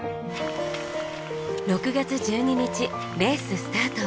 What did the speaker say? ６月１２日レーススタート。